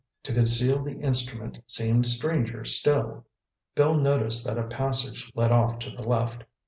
To conceal the instrument seemed stranger still. Bill noticed that a passage led off to the left.